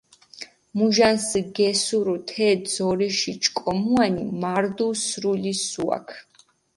მუჟანს გესურუ თე ძორიში ჭკომუანი, მარდუ სრული სუაქ.